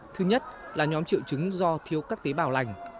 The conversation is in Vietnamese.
thứ nhất là nhóm triệu chứng do thiếu các tế bào lành